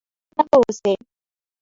هيله لرم ښه اوسې!